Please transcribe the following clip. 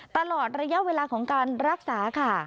ตลอดระยะเวลาของการรักษาค่ะ